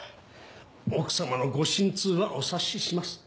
奥さまのご心痛はお察しします。